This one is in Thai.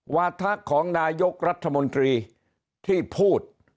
วาถะของนายกรัฐมนตรีที่พูด